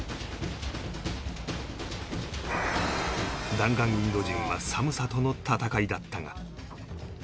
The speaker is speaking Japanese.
弾丸インド人は寒さとの闘いだったが